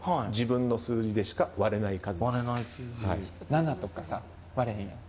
７とかさ割れへんやん。